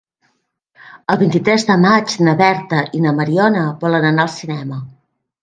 El vint-i-tres de maig na Berta i na Mariona volen anar al cinema.